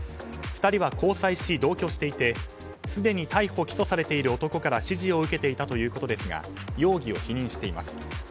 ２人は交際し、同居していてすでに逮捕・起訴されている男から指示を受けていたということですが容疑を否認しています。